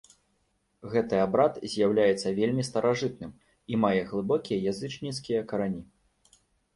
Гэты абрад з'яўляецца вельмі старажытным і мае глыбокія язычніцкія карані.